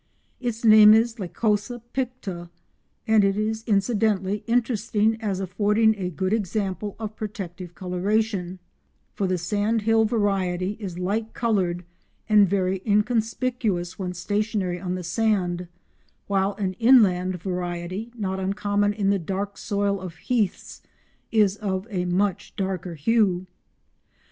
Its name is Lycosa picta, and it is incidentally interesting as affording a good example of protective coloration, for the sandhill variety is light coloured and very inconspicuous when stationary on the sand, while an inland variety not uncommon on the dark soil of heaths is of a much darker hue.